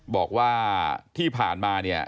บอกว่าที่ผ่านมาเนี่ย